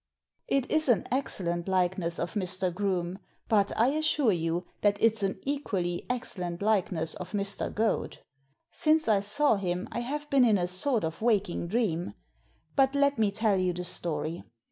"It is an excellent likeness of Mr. Groome, but I assure you that it's an equally excellent likeness of Mr. Goad. Since I saw him I have been in a sort of waking dream. But let me tell you the story.